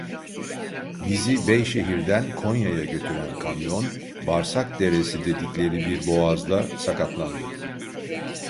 Bizi Beyşehir'den Konya'ya götüren kamyon, Barsakderesi dedikleri bir boğazda sakatlandı.